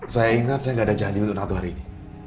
saya ingat saya tidak ada janji untuk natu hari ini